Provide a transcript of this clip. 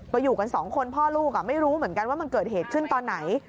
ก็อยู่กันสองคนพ่อลูกไม่รู้เหมือนกันว่ามันเกิดเหตุขึ้นตอนไหน